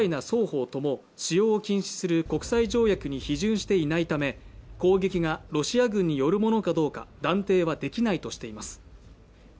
双方とも使用を禁止する国際条約に批准していないため攻撃がロシア軍によるものかどうか断定はできないとしています